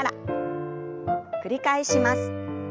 繰り返します。